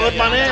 buut pak nih